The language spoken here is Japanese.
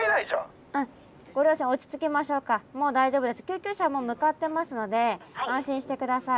救急車もう向かってますので安心して下さい。